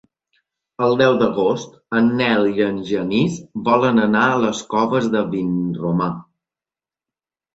El deu d'agost en Nel i en Genís volen anar a les Coves de Vinromà.